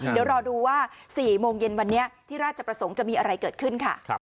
เดี๋ยวรอดูว่า๔โมงเย็นวันนี้ที่ราชประสงค์จะมีอะไรเกิดขึ้นค่ะ